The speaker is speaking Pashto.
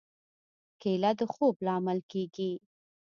کېله د خوب لامل کېږي.